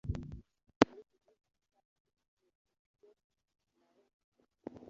ariko igikombe cyanjye cya kindi cy ifeza ugishyire mu munwa w umufuka